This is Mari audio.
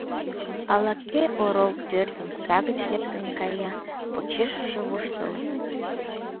Ала-кӧ орол пӧрт омса гыч лектын кая, почешыже воштылыт.